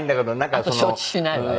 あと承知しないわよ。